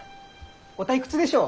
お退屈でしょう？